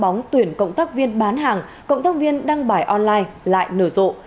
người đào nấp bóng tuyển cộng tác viên bán hàng cộng tác viên đăng bài online lại nở rộ